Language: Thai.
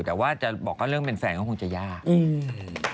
แต่ว่าจะบอกว่าเรื่องเป็นแฟนก็คงจะยากอืม